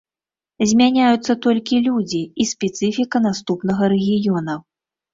Змяняюцца толькі людзі і спецыфіка наступнага рэгіёна.